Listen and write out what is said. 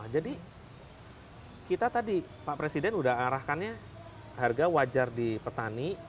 kita tadi pak presiden sudah arahkannya harga wajar di petani